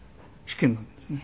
試験なんでね。